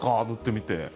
塗ってみて。